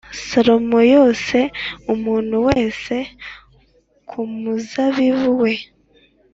Salomo yose umuntu wese ku muzabibu we